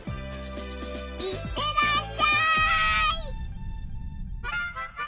行ってらっしゃい！